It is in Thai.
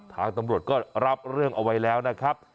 ทางตำรวจก็รับเรื่องเอาไว้แล้วนะครับ